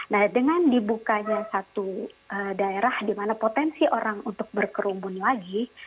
nah dengan dibukanya satu daerah di mana potensi orang untuk berkerumun lagi